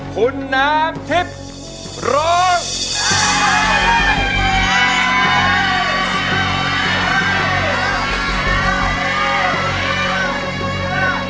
คุณน้ำทิพย์ร้อง